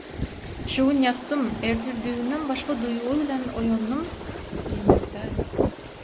«Şu gün ýatdym, ertir düýbünden başga duýgy bilen oýandym» diýmek däl.